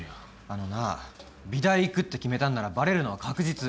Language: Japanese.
あのなぁ美大行くって決めたんならバレるのは確実。